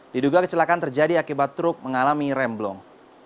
diduga kecelakaan terjadi akibat truk mengalami remblong